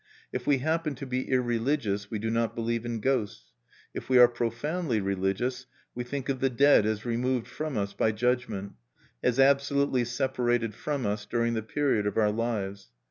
If we happen to be irreligious, we do not believe in ghosts. If we are profoundly religious, we think of the dead as removed from us by judgment, as absolutely separated from us during the period of our lives.